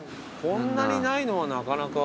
こんなにないのはなかなか。